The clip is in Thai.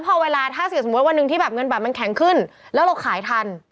พอเวลาถ้าสมมุติวันหนึ่งที่แบบเงินบัตรมันแข็งขึ้นแล้วเราขายทัน